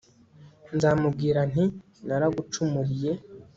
nzamubwira nti naragucumuriye